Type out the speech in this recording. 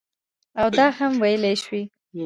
او دا هم ویل شوي